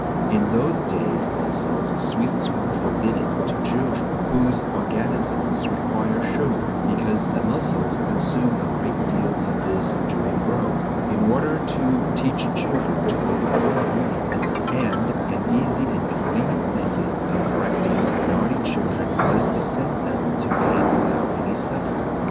In those days also, sweets were forbidden to children (whose organisms require sugar, because the muscles consume a great deal of this during growth), in order to teach them to overcome greediness, and an easy and convenient method of correcting naughty children was to "send them to bed without any supper."